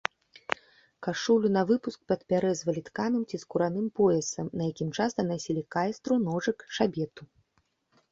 Кашулю навыпуск падпяразвалі тканым ці скураным поясам, на якім часта насілі кайстру, ножык, шабету.